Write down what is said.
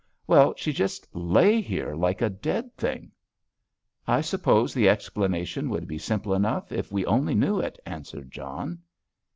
"Well, she just lay here like a dead thing." "I suppose the explanation would be simple enough if we only knew it," answered John.